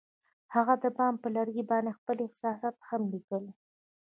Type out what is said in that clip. هغوی د بام پر لرګي باندې خپل احساسات هم لیکل.